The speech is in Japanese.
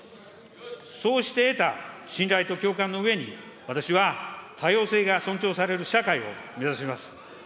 そうして得た信頼と共感の上に、私は、多様性が尊重される社会を目指します。